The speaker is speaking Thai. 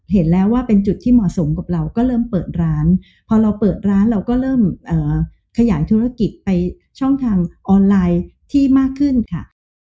เห็นแล้วว่าเป็นจุดที่เหมาะสมกับเราก็เริ่มเปิดร้านพอเราเปิดร้านเราก็เริ่มขยายธุรกิจไปช่องทางออนไลน์ที่มากขึ้นค่ะ